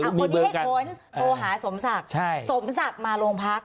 คนนี้ให้ค้นโทรหาสมศักดิ์สมศักดิ์มาโรงพัก